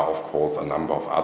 là cơ hội duy nhất